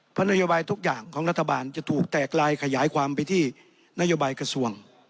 เพราะนโยบายทุกอย่างของรัฐบาลจะถูกแตกลายขยายความไปที่นโยบายกระทรวง